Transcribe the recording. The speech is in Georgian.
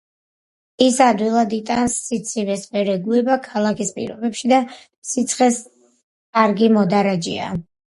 ის ადვილად იტანს სიცივეს, ვერ ეგუება ქალაქის პირობებს და სიცხეს, კარგი მოდარაჯეა.